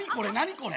これ。